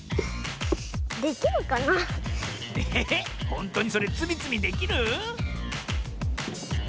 ほんとにそれつみつみできる？